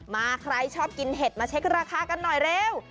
มาใครชอบกินเห็ดมาเช็คราคากันหน่อยเร็ว